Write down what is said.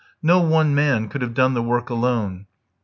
No one man could have done the work alone.